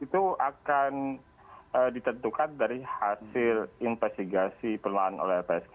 itu akan ditentukan dari hasil investigasi pelan oleh psk